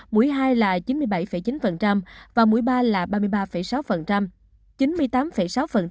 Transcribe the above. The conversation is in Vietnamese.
mũi hai là chín mươi bảy chín và mũi ba là ba mươi ba sáu